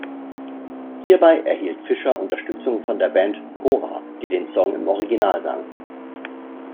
Hierbei erhielt Fischer Unterstützung von der Band Cora, die den Song im Original sang.